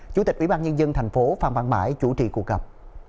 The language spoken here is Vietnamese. chủ tịch ủy ban nhân dân tp hcm pham văn bãi chủ trì cuộc gặp